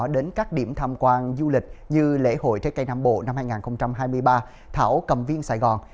đến các điểm tham quan du lịch như lễ hội trái cây nam bộ năm hai nghìn hai mươi ba thảo cầm viên sài gòn